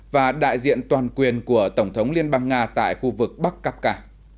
và đại diện toàn quyền của tổng thống liên bang nga tại khu vực bắc cáp cà